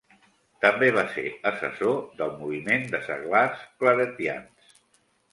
També va ser assessor del moviment de Seglars Claretians.